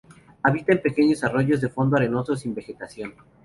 Habita en pequeños arroyos de fondo arenoso sin vegetación.